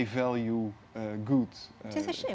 hal yang sangat berharga